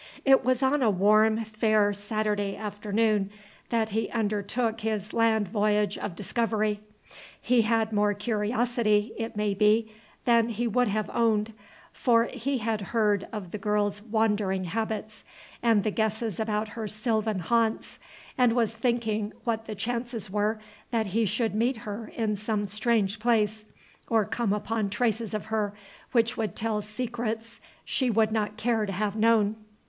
It was on a warm, fair Saturday afternoon that he undertook his land voyage of discovery. He had more curiosity, it may be, than he would have owned; for he had heard of the girl's wandering habits, and the guesses about her sylvan haunts, and was thinking what the chances were that he should meet her in some strange place, or come upon traces of her which would tell secrets she would not care to have known.